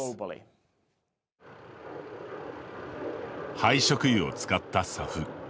廃食油を使ったＳＡＦ。